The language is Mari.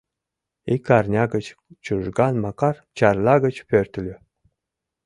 Ик арня гыч Чужган Макар Чарла гыч пӧртыльӧ.